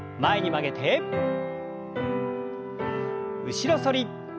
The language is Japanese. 後ろ反り。